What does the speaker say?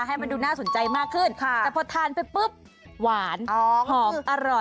ให้มันดูน่าสนใจมากขึ้นแต่พอทานไปปุ๊บหวานหอมอร่อย